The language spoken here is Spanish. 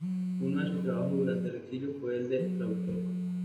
Uno de sus trabajos durante el exilio fue el de traductor.